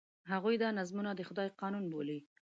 هغوی دا نظمونه د خدای قانون بولي.